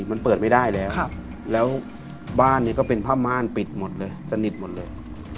มันเปิดไม่ได้แล้วแล้วบ้านเนี่ยก็เป็นผ้าม่านปิดหมดเลยสนิทหมดเลย